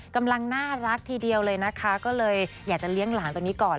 กำลังน่ารักทีเดียวเลยนะคะก็เลยอยากจะเลี้ยงหลานตรงนี้ก่อน